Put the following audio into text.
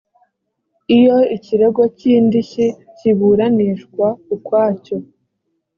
iyo ikirego cy indishyi kiburanishwa ukwacyo